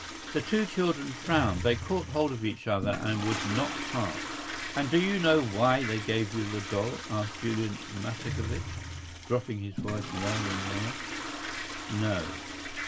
The two children frowned. They caught hold of each other and would not part. "And do you know why they gave you the doll?" asked Julian Mastakovich, dropping his voice lower and lower. "No."